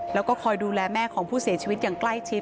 แล้วก็คอยดูแลแม่ของผู้เสียชีวิตอย่างใกล้ชิด